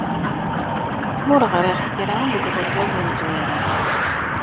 Ur ɣrin kra deg uɣerbaz amezwaru.